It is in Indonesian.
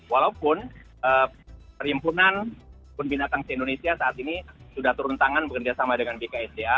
walaupun perhimpunan kebun binatang di indonesia saat ini sudah turun tangan bekerjasama dengan bksda